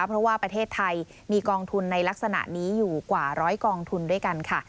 เพราะว่าประเทศไทยมีกองทุนในลักษณะนี้อยู่กว่าร้อยกองทุนด้วยกันค่ะ